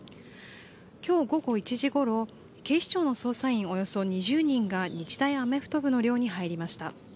今日午後１時ごろ、警視庁の捜査員およそ２０人が日大アメフト部の寮に入りました。